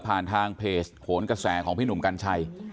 ทางเพจโหนกระแสของพี่หนุ่มกัญชัย